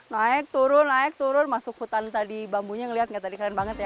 naik turun naik turun masuk hutan tadi bambunya ngelihat nggak tadi keren banget ya